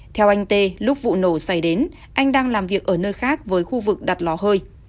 theo anh tê lúc vụ nổ xảy đến anh đang làm việc ở nơi khác với khu vực đặt lò hơi